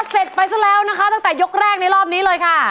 เสร็จไปซะแล้วนะคะตั้งแต่ยกแรกในรอบนี้เลยค่ะ